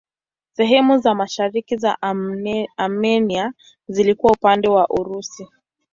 Sehemu za mashariki za Armenia zilikuwa upande wa Urusi.